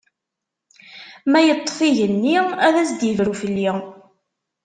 Ma yeṭṭef igenni, ad as-d-ibru fell-i!